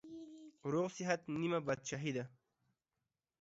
روغ صورت نيمه پاچاهي ده.